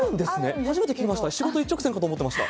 初めて聞きました、仕事一直線かと思ってました。